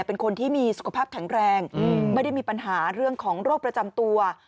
เป็นคนที่มีสุขภาพแข็งแรงไม่ได้มีปัญหาเรื่องของโรคประจำตัว